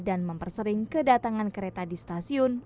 dan mempersering kedatangan kereta di stasiun